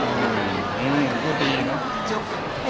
เจอใจอยากจะฟังตั้งแต่พร้อม